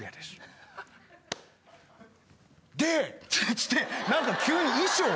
つって何か急に衣装を。